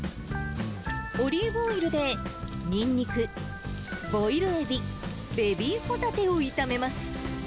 オリーブオイルで、ニンニク、ボイルエビ、ベビーホタテを炒めます。